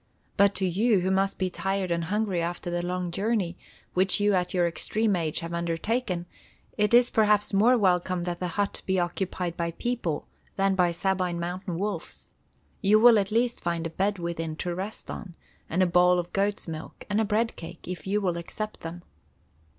But to you, who must be tired and hungry after the long journey, which you at your extreme age have undertaken, it is perhaps more welcome that the hut is occupied by people than by Sabine mountain wolves. You will at least find a bed within to rest on, and a bowl of goats' milk, and a bread cake, if you will accept them."